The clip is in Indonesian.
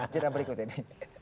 cerah berikut ini